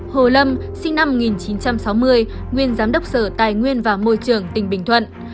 hai hồ lâm sinh năm một nghìn chín trăm sáu mươi nguyên giám đốc sở tài nguyên và môi trường tỉnh bình thuận